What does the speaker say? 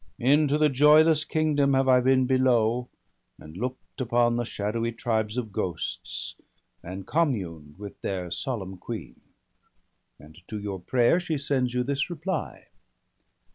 Into the joyless kingdom have I been. Below, and look'd upon the shadowy tribes Of ghosts, and communed with their solemn queen, And to your prayer she sends you this reply : BALDER DEAD.